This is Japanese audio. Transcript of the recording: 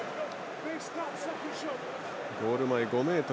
ゴール前５ｍ。